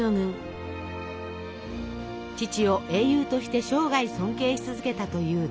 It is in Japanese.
父を英雄として生涯尊敬し続けたというデュマ。